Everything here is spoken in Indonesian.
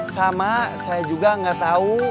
sama saya juga gak tau